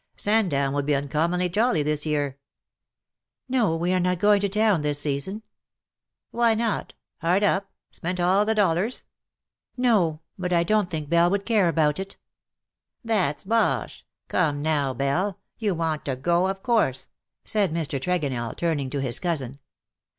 Sandown will be uncommonly jolly this year.''"' " No, we are not going to town this season.''^ " Why not ? Hard up— spent all the dollars ?'" No, but I donH think Belle would care about it." " That^s bosh. Come, now, Belle, you want to go of course," said Mr. Tregonell, turning to his cousin.